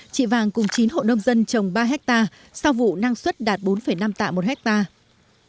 chị vàng cùng chín hộ nông dân trồng ba hectare sau vụ năng suất đạt bốn năm tạ một hectare